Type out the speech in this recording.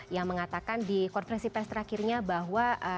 yang mengatakan di konferensi pers terakhirnya bahwa